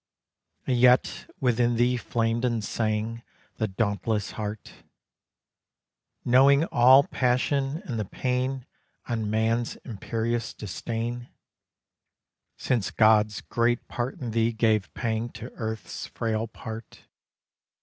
And yet within thee flamed and sang The dauntless heart, Knowing all passion and the pain On man's imperious disdain, Since God's great part in thee gave pang To earth's frail part.